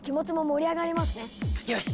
よし！